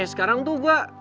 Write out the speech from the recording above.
nih sekarang tuh gua